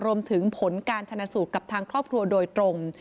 รวมถึงผลการชนะสูตรกับทางครอบครัวโดยตรง